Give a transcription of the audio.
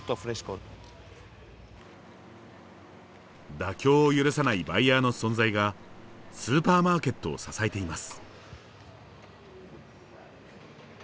妥協を許さないバイヤーの存在がスーパーマーケットを支えています。